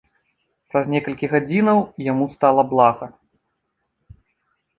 Праз некалькі гадзінаў яму стала блага.